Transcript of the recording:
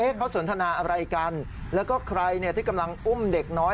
เขาสนทนาอะไรกันแล้วก็ใครเนี่ยที่กำลังอุ้มเด็กน้อย